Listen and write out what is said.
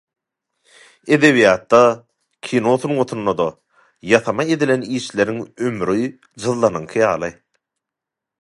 Edebiýatda, kino sungatynda-da ýasama edilen işleriň ömri jyzlanyňky ýaly.